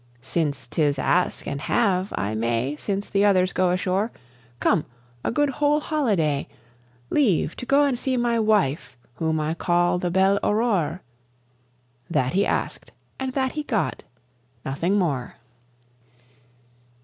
Since 'tis ask and have, I may Since the others go ashore Come! A good whole holiday! Leave to go and see my wife, whom I call the Belle Aurore!" That he asked and that he got, nothing more.